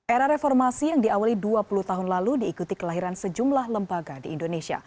era reformasi yang diawali dua puluh tahun lalu diikuti kelahiran sejumlah lembaga di indonesia